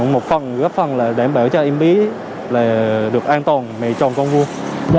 một phần gấp phần để đảm bảo cho em bí được an toàn mề tròn con vua